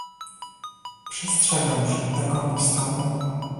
Przestrzegam przed taką postawą